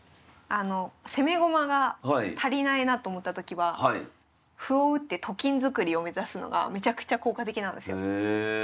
攻め駒が足りないなと思ったときは歩を打ってと金作りを目指すのがめちゃくちゃ効果的なんですよ。へえ。